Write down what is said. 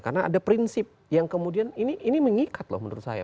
karena ada prinsip yang kemudian ini mengikat loh menurut saya